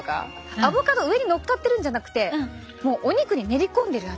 アボカド上に載っかってるんじゃなくてもうお肉に練り込んでるやつ。